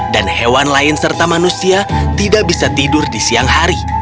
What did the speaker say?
dan hewan lain serta manusia tidak bisa tidur di bumi